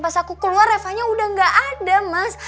pas aku keluar revanya udah gak ada mas